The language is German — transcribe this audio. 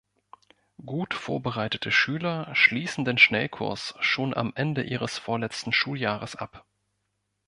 Gut vorbereitete Schüler schließen den Schnellkurs schon am Ende ihres vorletzten Schuljahres ab.